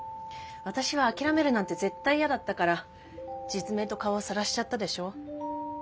私は諦めるなんて絶対嫌だったから実名と顔をさらしちゃったでしょ。